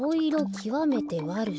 きわめてわるしと。